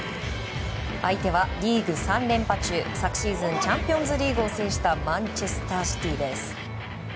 相手はリーグ３連覇中昨シーズンチャンピオンズリーグを制したマンチェスター・シティです。